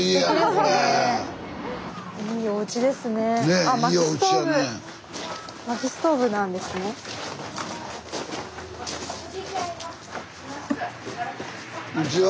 こんにちは。